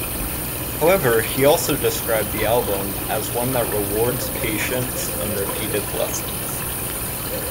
However, he also described the album as one that rewards patience and repeated listens.